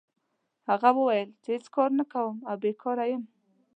هغه وویل چې هېڅ کار نه کوم او بیکاره یم.